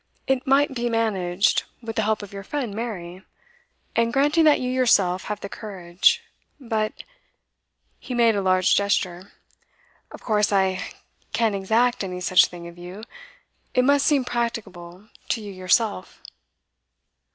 It might be managed, with the help of your friend Mary, and granting that you yourself have the courage. But' he made a large gesture 'of course I can't exact any such thing of you. It must seem practicable to you yourself.